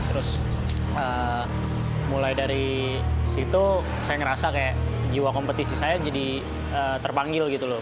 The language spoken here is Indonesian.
terus mulai dari situ saya ngerasa kayak jiwa kompetisi saya jadi terpanggil gitu loh